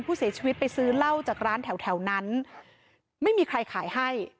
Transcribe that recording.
ผู้เสียชีวิตไปซื้อเหล้าจากร้านแถวแถวนั้นไม่มีใครขายให้